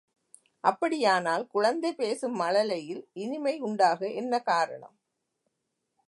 அப்படியானால் குழந்தை பேசும் மழலையில் இனிமை உண்டாக என்ன காரணம்?